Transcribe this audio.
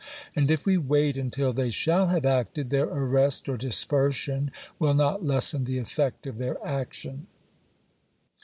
And if we wait until they shall have acted, their arrest or dispersion will not lessen the effect of their action.